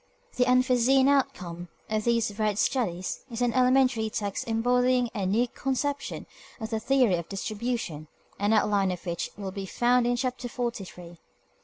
The unforeseen outcome of these varied studies is an elementary text embodying a new conception of the theory of distribution, an outline of which will be found in Chapter Forty three.